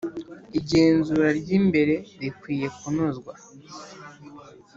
Igenzura ry imbere rikwiye kunozwa